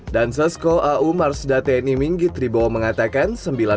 dan sesko au marsda tni minggi tribowo mengatakan